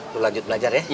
lo lanjut belajar ya